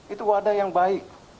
itu wadah yang baik